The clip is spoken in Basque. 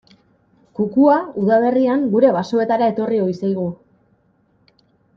Kukua udaberrian gure basoetara etorri ohi zaigu.